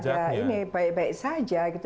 ya kita tidak ada ini baik baik saja gitu